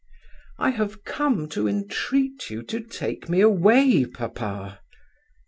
"I have come to entreat you to take me away, papa."